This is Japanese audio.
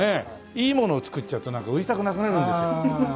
いいものを作っちゃうと売りたくなくなるんですよ。